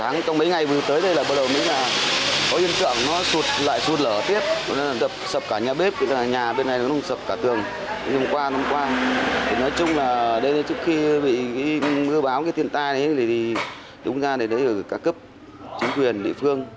nói chung là trước khi bị mưa báo tiền tai đúng ra đấy là các cấp chính quyền địa phương